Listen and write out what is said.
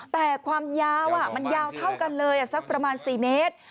แต่ความยาวมันยาวเท่ากันเลยสักประมาณ๔เมตร